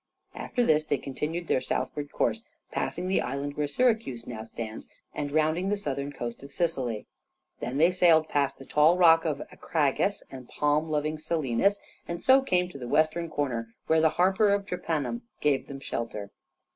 After this they continued their southward course, passing the island where Syracuse now stands, and rounding the southern coast of Sicily. Then they sailed past the tall rock of Acragas and palm loving Selinus, and so came to the western corner, where the harbor of Drepanun gave them shelter.